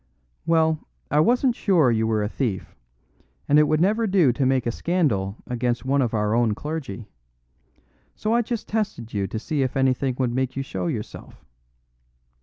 Well, I wasn't sure you were a thief, and it would never do to make a scandal against one of our own clergy. So I just tested you to see if anything would make you show yourself.